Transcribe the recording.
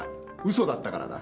嘘だったからだ。